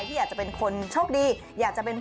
มีแมสโชคลาภ